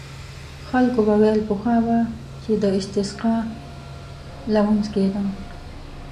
خلکو به ویل پخوا به چې د استسقا لمونځ کېده.